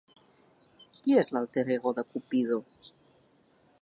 Qui és l'alter ego de Cupido?